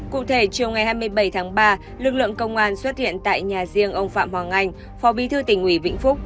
cụ thể chiều ngày hai mươi bảy tháng ba lực lượng công an xuất hiện tại nhà riêng ông phạm hoàng anh phò bi thư tỉnh nguyễn vĩnh phúc